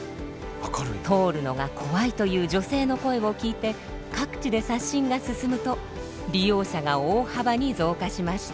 通るのが怖いという女性の声を聞いて各地で刷新が進むと利用者が大幅に増加しました。